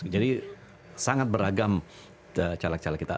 jadi sangat beragam caleg caleg kita